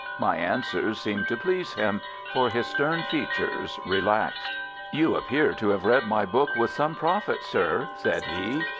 My answers seemed to please him, for his stern features relaxed. "You appear to have read my book with some profit, sir," said he.